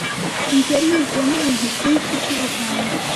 Inzu yari yuzuyemo ibintu byinshi byubuhanzi.